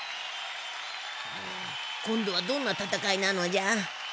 今度はどんなたたかいなのじゃ？